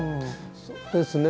そうですね